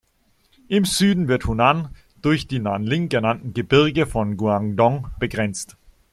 Im Süden wird Hunan durch die Nan Ling genannten Gebirge von Guangdong begrenzt.